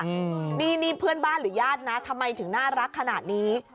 อืมนี่นี่เพื่อนบ้านหรือญาตินะทำไมถึงน่ารักขนาดนี้